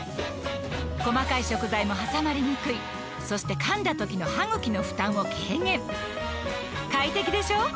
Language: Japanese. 細かい食材も挟まりにくいそして噛んだ時の歯ぐきの負担を軽減快適でしょ？